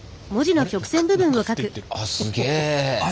すげえ！